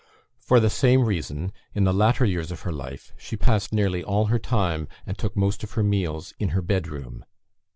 For the same reason, in the latter years of her life, she passed nearly all her time, and took most of her meals, in her bedroom.